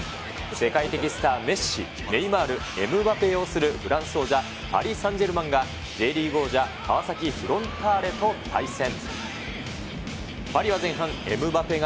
世界的スター、メッシ、ネイマール、エムバペ擁するフランス王者、パリ・サンジェルマンがＪリーグ王者、川崎フロンターレと対戦。